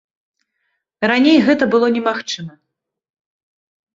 Раней гэта было немагчыма.